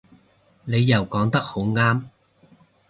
你又講得好啱